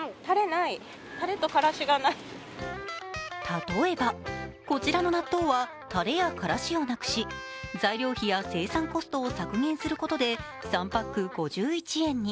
例えばこちらの納豆はたれやからしをなくし材料費や生産コストを削減することで３パック５１円に。